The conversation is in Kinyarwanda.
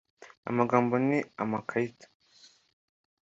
amagambo ni amakarita